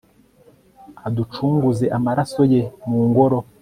aducunguze amaraso ye, mu ngoro